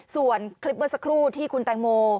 ส่วนคลิปเมื่อสักครู่ที่คุณแตงโม